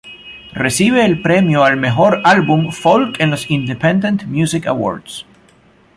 Recibe el premio al mejor álbum folk en los Independent Music Awards.